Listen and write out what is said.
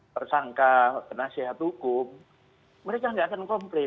tersangka penasihat hukum mereka tidak akan komplit